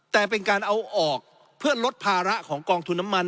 แต่เป็นการเอาออกเพื่อลดภาระของกองทุนน้ำมัน